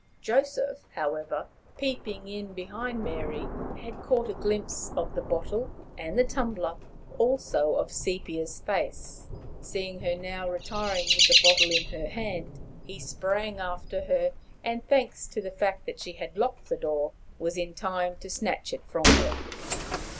Joseph, however, peeping in behind Mary, had caught a glimpse of the bottle and tumbler, also of Sepia's face. Seeing her now retiring with the bottle in her hand, he sprang after her, and, thanks to the fact that she had locked the door, was in time to snatch it from her.